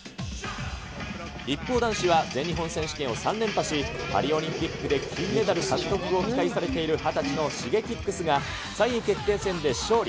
一方、男子は全日本選手権を３連覇し、パリオリンピックで金メダル獲得を期待されている２０歳のシゲキックスが、３位決定戦で勝利。